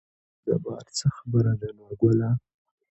جبار : څه خبره ده نورګله